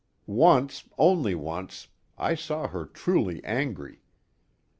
Once, only once, I saw her truly angry.